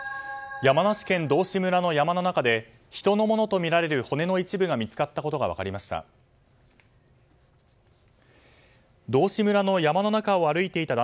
山梨県道志村の山の中で人のものと見られる骨の一部が見つかったことが分かりました。